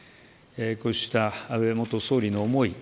こうした安倍元総理の思い